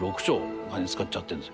お金使っちゃってるんですね。